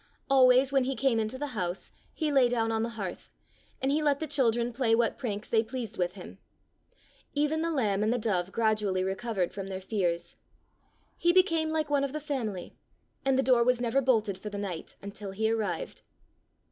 Always when he came into the house he lay down on the hearth, and he let the children play what pranks they pleased with him. Even the lamb and the dove gradually re covered from their fears. He became like one of the family, and the door was never bolted for the night until he arrived.